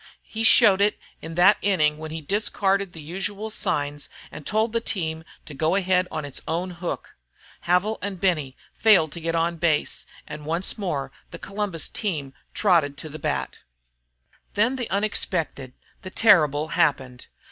He showed it in that inning when he discarded the usual signs and told the team to go ahead on its own hook. Havil and Benny failed to get on base, and once more the Columbus team trotted in to bat. Then the unexpected, the terrible, happened.